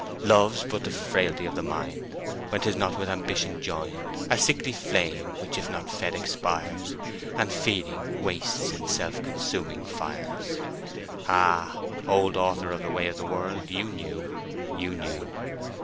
— "'Love's but the frailty of the mind When 'tis not with ambition joined; A sickly flame which if not fed, expires, And feeding, wastes in self consuming fires!' Ah, old author of 'The Way of the World,' you knew—you knew!"